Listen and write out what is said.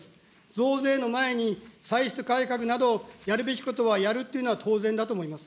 増税の前に、歳出改革などをやるべきことはやるっていうのは当然だと思います。